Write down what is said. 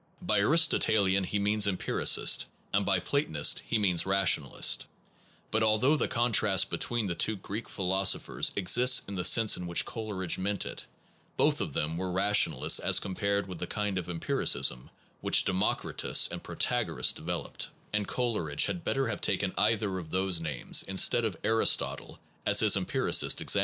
By aristotelian, he means empiricist, and by platonist, he means rationalist; but although the contrast between the two Greek philosphers exists in the sense in which Coleridge meant it, both of them were rationalists as compared with the kind of empiricism which Democritus and Protagoras developed; and Coleridge had better have taken either of those names instead of Aris totle as his empiricist example.